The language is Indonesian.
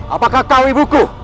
apakah kau ibuku